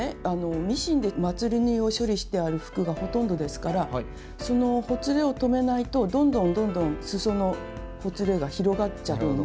ミシンでまつり縫いを処理してある服がほとんどですからそのほつれを止めないとどんどんどんどんすそのほつれが広がっちゃうんで。